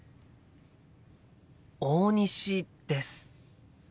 大西です。